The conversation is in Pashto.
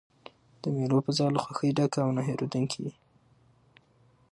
د مېلو فضا له خوښۍ ډکه او نه هېردونکې يي.